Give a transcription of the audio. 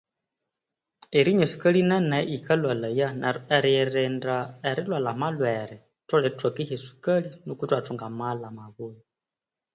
Erinywa esukali nene yikalhwalaya neru eriyirinda erilhwala amalhwere thutholere itwakehya esukali nikwa ithwathunga amaghalha amabuya.